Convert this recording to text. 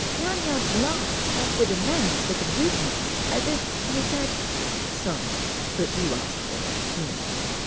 Lanyard's laugh offered amends for the rudeness, as if he said: "Sorry—but you asked for it, you know."